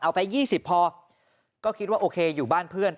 ไป๒๐พอก็คิดว่าโอเคอยู่บ้านเพื่อน